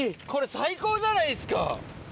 これ最高じゃないですか。